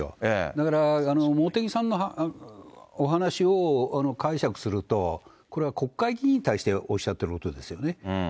だから、茂木さんのお話を解釈すると、これは国会議員に対しておっしゃっていることですよね。